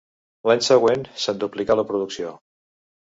L'any següent se'n duplicà la producció.